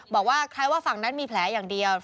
บอกว่าใครว่าฝั่งนั้นมีแผลอย่างเดียว